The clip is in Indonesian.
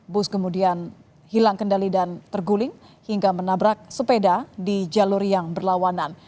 bus kemudian hilang kendali dan terguling hingga menabrak sepeda di jalur yang berlawanan